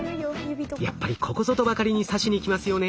やっぱりここぞとばかりに刺しにきますよね。